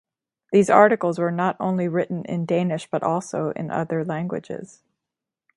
These articles were not only written in Danish but also in other languages.